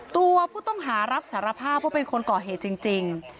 ตัวผู้ต้องหารับสารภาพว่าเป็นคนก่อเหตุจริง